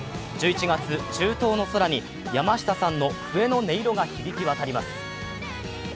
１１月、中東の空に山下さんの笛の音色が響き渡ります。